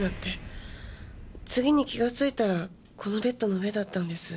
次に気がついたらこのベッドの上だったんです。